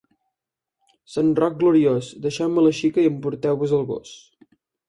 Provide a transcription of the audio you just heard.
Sant Roc gloriós, deixeu-me la xica i emporteu-vos el gos.